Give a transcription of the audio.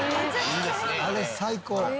「あれ最高。